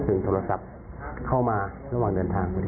โทรศัพท์เข้ามาระหว่างเดินทาง